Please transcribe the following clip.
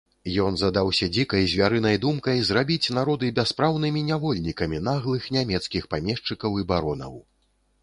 Ён задаўся дзікай звярынай думкай зрабіць народы бяспраўнымі нявольнікамі наглых нямецкіх памешчыкаў і баронаў.